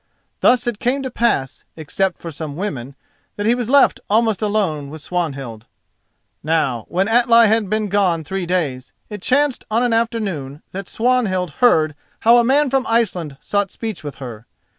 Thus it came to pass that, except for some women, he was left almost alone with Swanhild. [*] Tribute. Now, when Atli had been gone three days, it chanced on an afternoon that Swanhild heard how a man from Iceland sought speech with her.